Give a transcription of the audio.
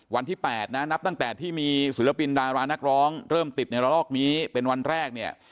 วันที่๘นะนับตั้งแต่ที่มีศิลปินดารานักร้องเริ่มติดในระลอกนี้เป็นวันแรกเนี่ย